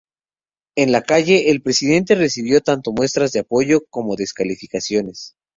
En la calle, el presidente recibió tanto muestras de apoyo como descalificaciones.